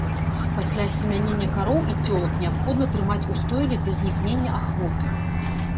Пасля асемянення кароў і цёлак неабходна трымаць ў стойле да знікнення ахвоты.